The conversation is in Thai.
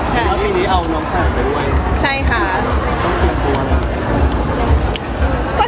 ที่นี่เอาน้องข้าไปด้วยต้องกินทุกวันหรือเปล่า